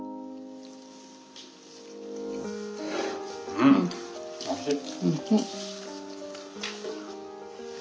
うんおいしい。